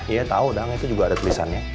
iya tahu dong itu juga ada tulisannya